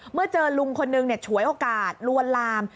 เมื่อเจอลุงคนนึงฉวยโอกาสลวนลาม